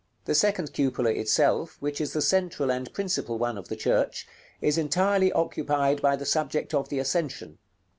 The second cupola itself, which is the central and principal one of the church, is entirely occupied by the subject of the Ascension.